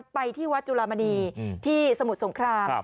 ไปที่วัดจุลามณีที่สมุทรสงคราม